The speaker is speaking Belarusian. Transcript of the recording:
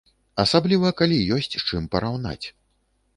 Асабліва калі ёсць з чым параўнаць.